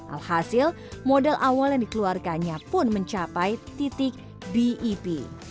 alhasil modal awal yang dikeluarkannya pun mencapai titik bep